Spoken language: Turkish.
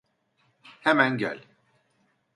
Hemen gel!